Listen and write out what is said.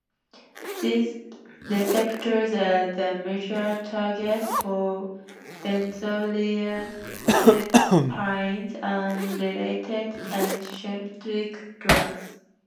These receptors are the major targets for benzodiazepines and related anxiolytic drugs.